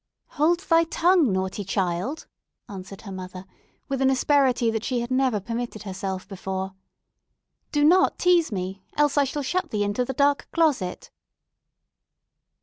"Hold thy tongue, naughty child!" answered her mother, with an asperity that she had never permitted to herself before. "Do not tease me; else I shall put thee into the dark closet!"